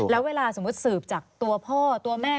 แล้วเวลาสมมุติสืบจากตัวพ่อตัวแม่